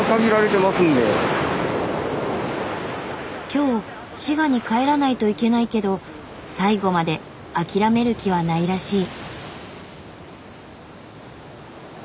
今日滋賀に帰らないといけないけど最後まで諦める気はないらしい。